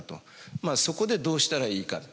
そこでどうしたらいいか。